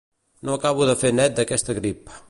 No acabo de fer net d'aquesta grip